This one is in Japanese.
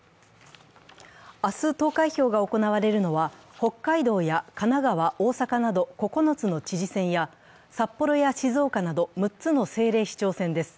明日、投開票が行われるのは北海道や神奈川、大阪など９つの知事選や札幌や静岡など６つの政令市長選です。